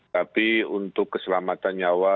tapi untuk keselamatan nyawa